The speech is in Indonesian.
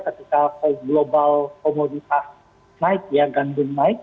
ketika global komoditas naik ya gandum naik